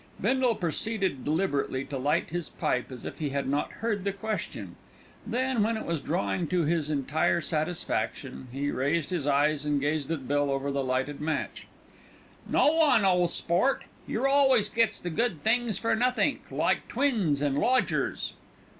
Bindle proceeded deliberately to light his pipe as if he had not heard the question; then, when it was drawing to his entire satisfaction, he raised his eyes and gazed at Bill over the lighted match. "No one, ole sport. Yer always gets the good things for nothink, like twins an' lodgers."